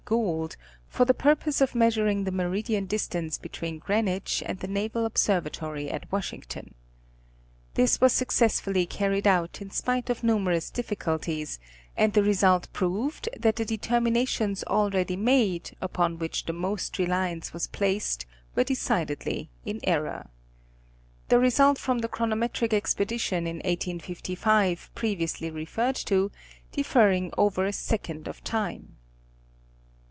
Gould, for the purpose of measuring the meridian distance between Greenwich and the Naval Observatory at Washington. This was successfully car ried out im spite of numerous difficulties, and the result proved that the determinations already made upon which the most Telegraphic Determinations of Longitude. 5 reliance was placed were decidedly in error. The result from the chronometric expedition in 1855 previously referred to differing over a second of time.